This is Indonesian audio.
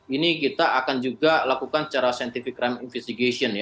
ini kita akan juga lakukan secara scientific crime investigation ya